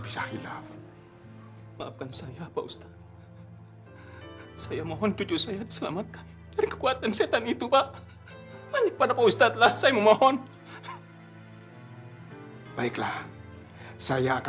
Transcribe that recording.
kita tidak bisa lemari kita natuurlijk